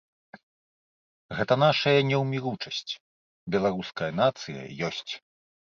Гэта нашая неўміручасць, беларуская нацыя ёсць.